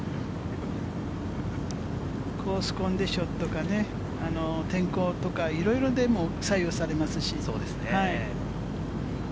コースコンディションとかね、天候とか、いろいろでも左右されますし。